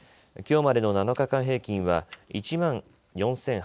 きょうまでの７日間平均は１万４８０４．９